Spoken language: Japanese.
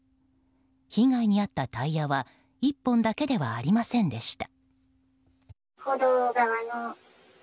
被害に遭ったタイヤは１本だけではありませんでした。